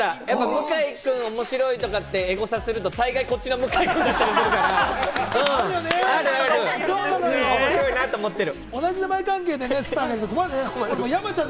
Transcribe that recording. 向井君、面白いとかエゴサすると、たいていこっちの向井君だから面白いなと思ってる。